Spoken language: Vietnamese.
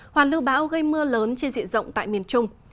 hoàn lưu bão gây mưa lớn trên diện rộng tại miền trung